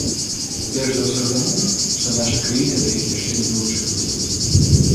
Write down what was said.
Перш за ўсё таму, што наша краіна да іх яшчэ не далучылася.